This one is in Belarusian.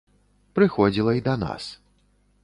Прыходзіла і да нас.